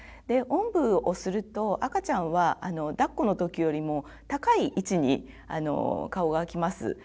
おんぶをすると赤ちゃんはだっこの時よりも高い位置に顔がきます。